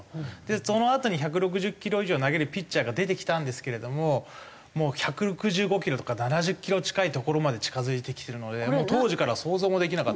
そのあとに１６０キロ以上を投げるピッチャーが出てきたんですけれどももう１６５キロとか１７０キロ近いところまで近付いてきてるので当時からは想像もできなかったです。